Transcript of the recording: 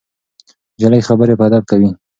نجلۍ خبرې په ادب کوي.